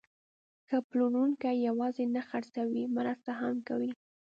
ښه پلورونکی یوازې نه خرڅوي، مرسته هم کوي.